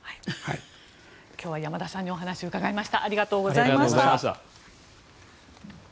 今日は山田さんにお話を伺いました。